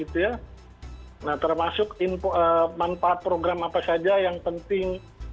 nah termasuk manfaat program apa saja yang penting